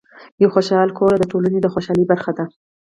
یو خوشحال کور د ټولنې د خوشحالۍ برخه ده.